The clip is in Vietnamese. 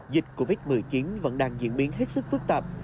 dịch covid một mươi chín vẫn đang diễn biến hết sức phức tạp